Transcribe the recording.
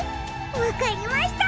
わかりました！